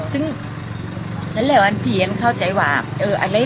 สุดท้ายสุดท้ายสุดท้าย